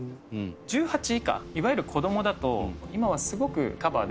１８以下いわゆる子どもだと今はすごくカバーできていて。